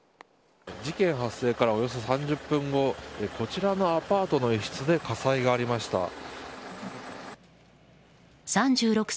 事件発生からおよそ３０分後こちらのアパートの一室で火災がありました。